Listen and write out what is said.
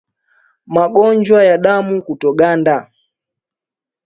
Magonjwa ya damu kutoganda